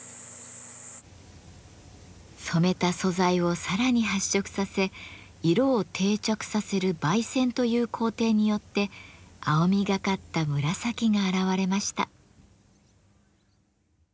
染めた素材をさらに発色させ色を定着させる媒染という工程によって青みがかった紫が現れました。